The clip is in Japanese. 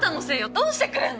どうしてくれるの！？